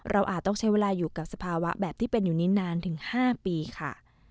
อาจต้องใช้เวลาอยู่กับสภาวะแบบที่เป็นอยู่นี้นานถึง๕ปีค่ะ